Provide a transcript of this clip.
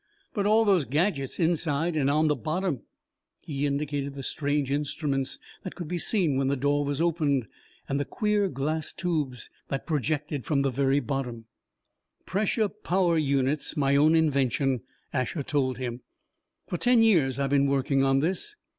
"But all those gadgets inside and on the bottom ?" He indicated the strange instruments that could be seen when the door was opened, and the queer glass tubes that projected from the very bottom. "Pressure power units my own invention," Asher told him. "For ten years I've been working on this.